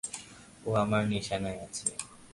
ও আমার নিশানায় আছে।